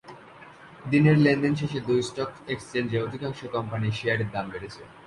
দিনের লেনদেন শেষে দুই স্টক এক্সচেঞ্জে অধিকাংশ কোম্পানির শেয়ারের দাম বেড়েছে।